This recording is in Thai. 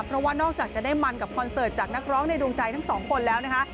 เพราะว่านอกจากจะได้มันกับคอนเสิร์ตจากนักร้องในดวงใจทั้งสองคนแล้วนะคะ